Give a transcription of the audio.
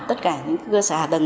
tất cả những cơ sở hạ tầng